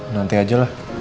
nanti aja lah